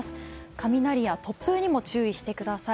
雷や突風にも注意してください。